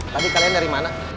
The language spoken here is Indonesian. tapi kalian dari mana